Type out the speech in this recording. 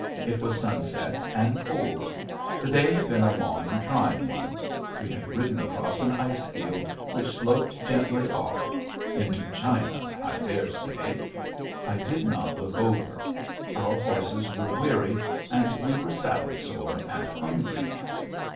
It was sunset and cold. The day had been a long and trying one. We had ridden across an ice field which sloped gently off into China, I dare say. I did not look over. Our horses were weary, and we were saddle sore and hungry.